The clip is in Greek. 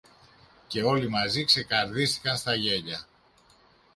Και όλοι μαζί ξεκαρδίστηκαν στα γέλια.